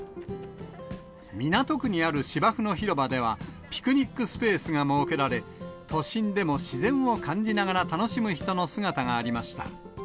港区にある芝生の広場では、ピクニックスペースが設けられ、都心でも自然を感じながら楽しむ人の姿がありました。